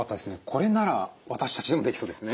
これなら私たちでもできそうですね。